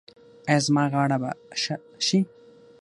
ایا زما غاړه به ښه شي؟